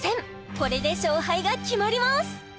これで勝敗が決まります